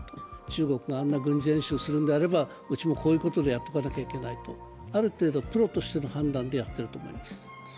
中国があんな軍事演習するのであれば、うちもこういうことでやっておかなければいけないとある程度プロとしての判断でやっていると思います。